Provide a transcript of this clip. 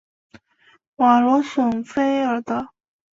瓦罗什弗尔德。